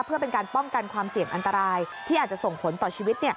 เพื่อเป็นการป้องกันความเสี่ยงอันตรายที่อาจจะส่งผลต่อชีวิต